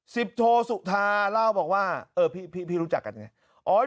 โทสุธาเล่าบอกว่าเออพี่รู้จักกันไง